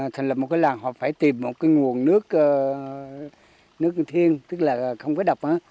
thành lập một cái làng họ phải tìm một cái nguồn nước thiêng tức là không phải đập